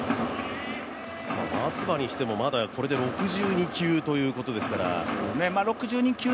松葉にしてもまだこれで６２球ということですから。